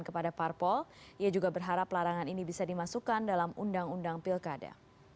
kepada parpol ia juga berharap larangan ini bisa dimasukkan dalam undang undang pilkada